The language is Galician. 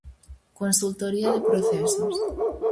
Consultoría de procesos.